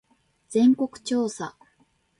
全国調査